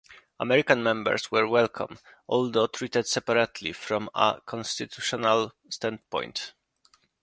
American members were welcome although treated separately from a constitutional standpoint.